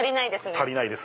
足りないです。